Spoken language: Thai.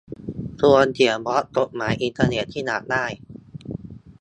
ชวนเขียนบล็อก กฎหมายอินเทอร์เน็ตที่อยากได้